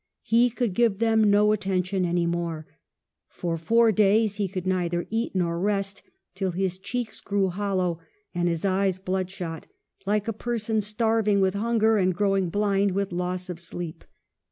He could give them no attention any more. For four days he could neither eat nor rest, till his cheeks grew hollow and his eyes bloodshot, like a person starving with hunger, and growing blind with loss of sleep.